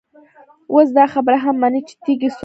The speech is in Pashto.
اوس دا خبره هم مني چي تيږي سوزي،